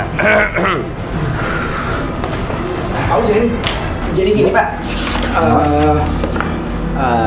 pak ujin jadi gini pak